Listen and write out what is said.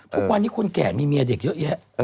ทุกวันนี้คนแก่มีเมียเด็กเยอะแยะ